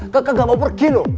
kakak gak mau pergi loh